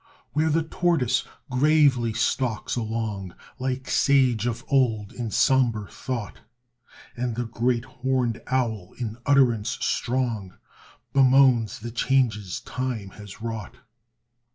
Where the tortoise gravely stalks along Like sage of old in sombre thought, And the great horned owl in utterance strong Bemoans the changes time has wrought.